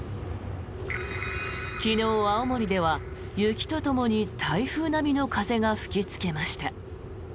昨日、青森では雪とともに台風並みの風が吹きつけました。